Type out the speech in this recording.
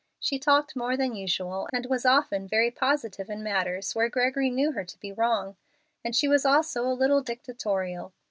She talked more than usual, and was often very positive in matters where Gregory knew her to be wrong; and she was also a little dictatorial.